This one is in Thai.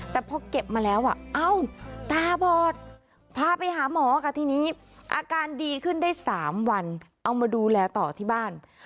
แต่พอเก็บมาแล้วเอ้าตาบอดพาไปหาหมอค่ะทีนี้อาการดีขึ้นได้๓วันเอามาดูแลต่อที่บ้าน